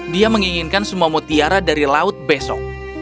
dia menginginkan semua mutiara dari laut besok